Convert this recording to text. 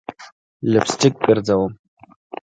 لپ سټک ګرزوم